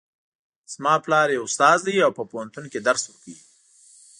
زما پلار یو استاد ده او په پوهنتون کې درس ورکوي